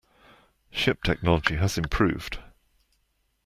Ship technology has improved.